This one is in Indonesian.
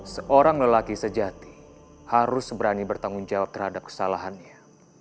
seorang lelaki sejati harus berani bertanggung jawab terhadap kesalahannya